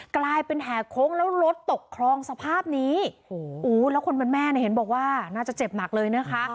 กลายเป็นแห่โค้งแล้วรถตกคลองสภาพนี้โอ้โหแล้วคนเป็นแม่เนี่ยเห็นบอกว่าน่าจะเจ็บหนักเลยนะคะ